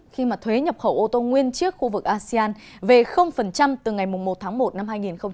khi mà thuế nhập khẩu ô tô nguyên chiếc khu vực asean về từ ngày một tháng một năm hai nghìn hai mươi